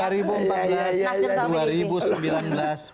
yang satu ini mencat